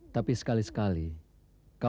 tapi sekali kali kau harus berani bertindak keras